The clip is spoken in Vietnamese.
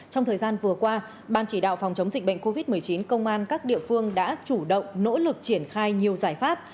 trong thời gian vừa qua ban chỉ đạo phòng chống dịch bệnh covid một mươi chín công an các địa phương đã chủ động nỗ lực triển khai nhiều giải pháp